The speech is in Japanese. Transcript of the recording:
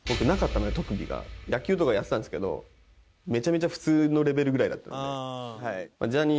野球とかやってたんですけどめちゃめちゃ普通のレベルぐらいだったので。